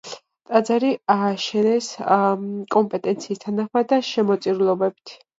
ტაძარი ააშენეს კომპენსაციის თანხით და შემოწირულობებით.